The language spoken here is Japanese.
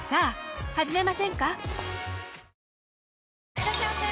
いらっしゃいませ！